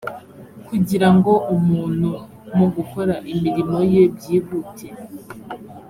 kugira ngo umuntu mu gukora imirimo ye byihute